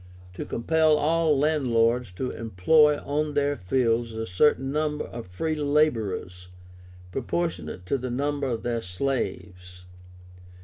To compel all landlords to employ on their fields a certain number of free laborers, proportionate to the number of their slaves.